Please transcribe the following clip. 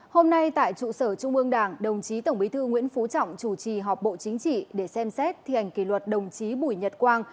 hôm nay tại trụ sở trung ương đảng đồng chí tổng bí thư nguyễn phú trọng chủ trì họp bộ chính trị để xem xét thi hành kỷ luật đồng chí bùi nhật quang